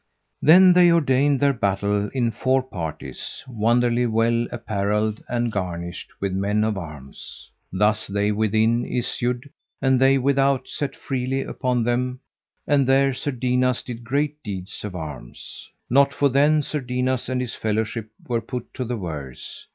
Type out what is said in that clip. Then they ordained their battle in four parties, wonderly well apparelled and garnished with men of arms. Thus they within issued, and they without set freely upon them; and there Sir Dinas did great deeds of arms. Not for then Sir Dinas and his fellowship were put to the worse.